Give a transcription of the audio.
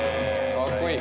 かっこいい。